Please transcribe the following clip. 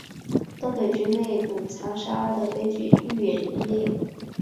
东北军内部残杀的悲剧愈演愈烈。